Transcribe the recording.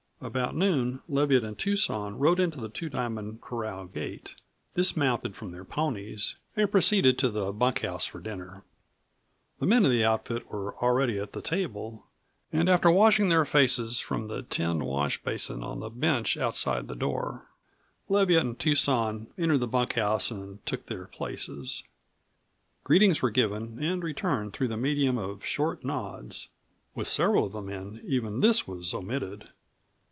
About noon Leviatt and Tucson rode in to the Two Diamond corral gate, dismounted from their ponies, and proceeded to the bunkhouse for dinner. The men of the outfit were already at the table, and after washing their faces from the tin wash basin on the bench outside the door, Leviatt and Tucson entered the bunkhouse and took their places. Greetings were given and returned through the medium of short nods with several of the men even this was omitted.